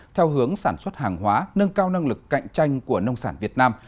theo hướng sản xuất hàng hóa nâng cao năng lực cạnh tranh của nông sản việt nam